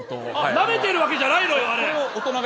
なめてるわけじゃないのよ。